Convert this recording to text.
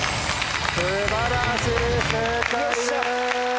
素晴らしい正解です！